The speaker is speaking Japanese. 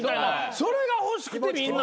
それが欲しくてみんな。